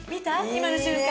今の瞬間。